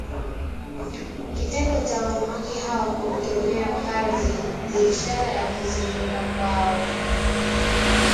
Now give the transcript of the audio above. Kitendo cha wanawake hawa kumkemea Padre ni ishara ya kuzinduka kwao